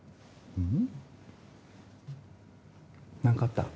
うん。